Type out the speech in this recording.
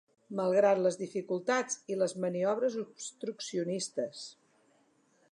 Malgrat les dificultats i les maniobres obstruccionistes.